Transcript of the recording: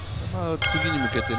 次に向けて。